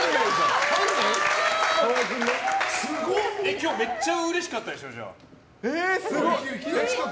今日めっちゃうれしかったでしょ、じゃあ。